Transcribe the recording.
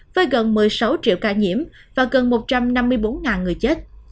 với gần một mươi sáu triệu ca nhiễm và gần một trăm năm mươi bốn người chết